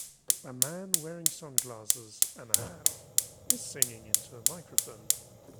A man wearing sunglasses and a hat is singing into a microphone